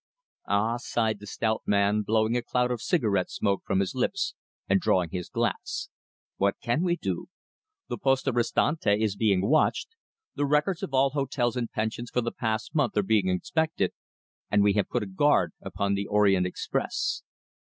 "Ah!" sighed the stout man, blowing a cloud of cigarette smoke from his lips and drawing his glass. "What can we do? The Poste Restante is being watched, the records of all hotels and pensions for the past month are being inspected, and we have put a guard upon the Orient Express.